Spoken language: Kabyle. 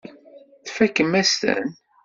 Tfakem-as-ten.